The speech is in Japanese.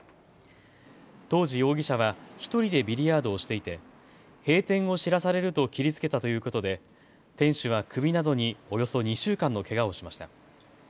当時、容疑者は１人でビリヤードをしていて閉店を知らされると切りつけたということで店主は首などにおよそ２週間のけがをしました。